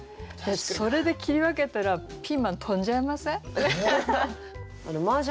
それで切り分けたらピーマン飛んじゃいません？